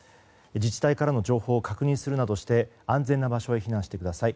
自治体からの情報を確認するなどして安全な場所へ避難してください。